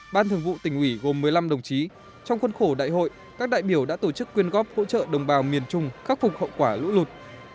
ban thường vụ tỉnh ủy gồm một mươi năm đồng chí trong khuân khổ đại hội các đại biểu đã tổ chức quyên góp hỗ trợ đồng bào miền trung khắc phục hậu quả lũ lụt